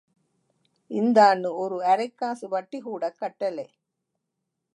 இந்தான்னு ஒரு அரைக்காசு வட்டி கூடக் கட்டலே.